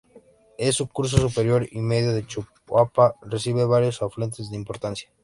En su curso superior y medio el Choapa recibe varios afluentes de importancia.